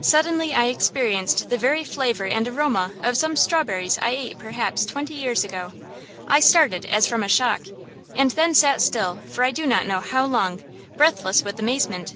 Suddenly I experienced the very flavor and aroma of some strawberries I ate perhaps twenty years ago. I started as from a shock, and then sat still for I do not know how long, breathless with amazement.